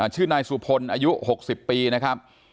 ชื่อนายสุพลอายุ๖๐ปีนะครับ